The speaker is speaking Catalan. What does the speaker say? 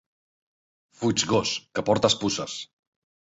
Fuig gos, que portes puces.